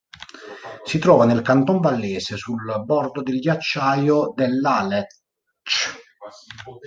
Si trova nel Canton Vallese sul bordo del Ghiacciaio dell'Aletsch.